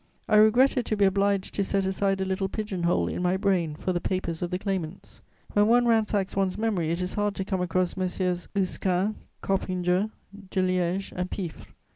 I regretted to be obliged to set aside a little pigeon hole in my brain for the papers of the claimants. When one ransacks one's memory, it is hard to come across Messieurs Usquin, Coppinger, Deliège and Piffre.